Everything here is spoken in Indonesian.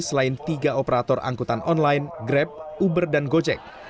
selain tiga operator angkutan online grab uber dan gojek